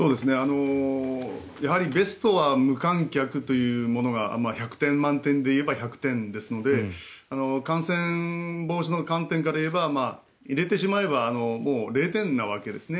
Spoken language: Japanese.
やはりベストは無観客というものが１００点満点で言えば１００点ですので感染防止の観点から言えば入れてしまえばもう０点なわけですね。